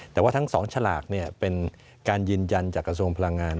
แต่ว่าทั้ง๒ฉลากเป็นการยืนยันจากกระทรวงพลังงาน